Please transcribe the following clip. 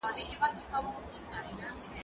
زه مخکي کتابتوننۍ سره وخت تېروولی وو